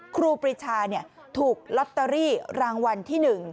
ครูปรีชาถูกลอตเตอรี่รางวัลที่๑